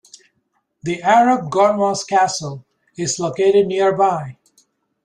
The Arab Gormaz Castle is located nearby.